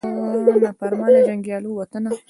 د نافرمانه جنګیالو وطنه